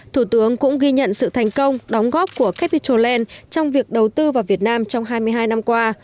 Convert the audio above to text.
thủ tướng cũng ghi nhận sự thành công đóng góp của capital land trong việc đầu tư vào việt nam trong hai mươi hai năm qua